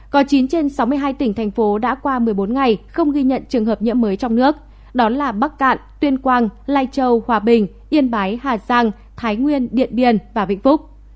có chín trên sáu mươi hai tỉnh thành phố đã qua một mươi bốn ngày không ghi nhận trường hợp nhiễm mới trong nước đó là bắc cạn tuyên quang lai châu hòa bình yên bái hà giang thái nguyên điện biên và vĩnh phúc